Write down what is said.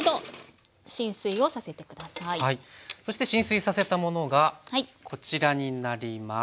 そして浸水させたものがこちらになります。